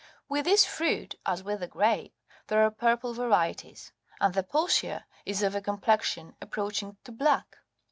With this fruit, as with the grape, there are purple39 varieties, and the posia is of a complexion approaching to black.